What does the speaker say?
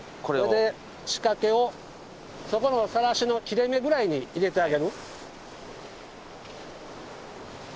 これで仕掛けをそこのサラシの切れ目ぐらいに入れてあげる。